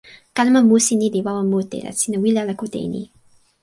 kalama musi ni li wawa mute la sina wile ala kute e ni.